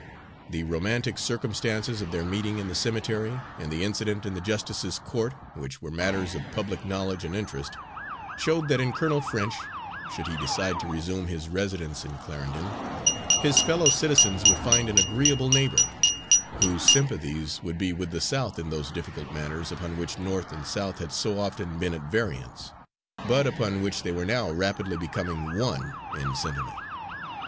The romantic circumstances of their meeting in the cemetery, and the incident in the justice's court, which were matters of public knowledge and interest, showed that in Colonel French, should he decide to resume his residence in Clarendon, his fellow citizens would find an agreeable neighbour, whose sympathies would be with the South in those difficult matters upon which North and South had so often been at variance, but upon which they were now rapidly becoming one in sentiment.